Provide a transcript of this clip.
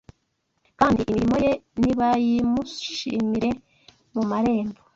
kandi imirimo ye nibayimushimire mu marembo